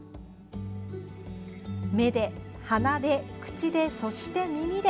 目で鼻で口で、そして耳で。